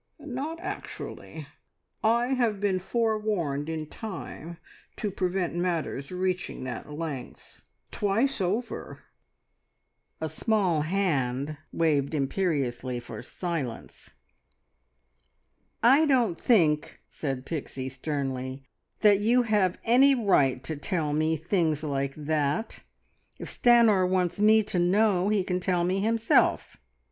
"Not actually. I have been forewarned in time to prevent matters reaching that length. Twice over " A small hand waved imperiously for silence. "I don't think," said Pixie sternly, "that you have any right to tell me things like that. If Stanor wants me to know, he can tell me himself.